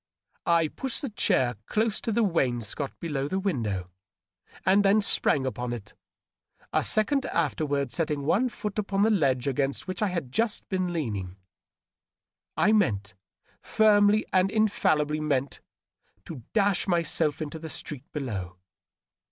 I pushed the chair close to the wainscot below the window, and then sprang upon it, a second after ward setting one foot upon the ledge against which I had just been leaning. I meant — ^firmly and infallibly meant — ^to dash myself into the street below.